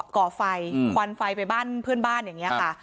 ก่อไฟควันไฟไปบ้านเพื่อนบ้านอย่างนี้ค่ะ